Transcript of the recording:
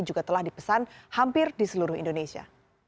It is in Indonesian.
juga telah dipesan hampir di seluruh indonesia